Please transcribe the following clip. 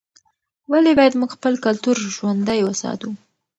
ولې باید موږ خپل کلتور ژوندی وساتو؟